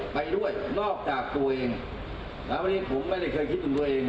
ไปด้วยนอกจากตัวเองแล้ววันนี้ผมไม่ได้เคยคิดถึงตัวเอง